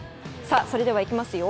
それではいきますよ。